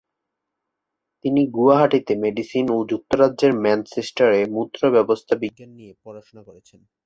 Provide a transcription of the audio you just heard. তিনি গুয়াহাটিতে মেডিসিন এবং যুক্তরাজ্যের ম্যানচেস্টারে মূত্রব্যবস্থা-বিজ্ঞান নিয়ে পড়াশোনা করেছেন।